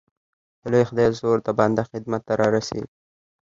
د لوی خدای زور د بنده خدمت ته را رسېږي.